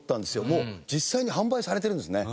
もう実際に販売されてるんですね。